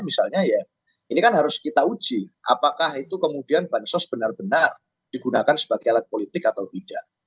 misalnya ya ini kan harus kita uji apakah itu kemudian bansos benar benar digunakan sebagai alat politik atau tidak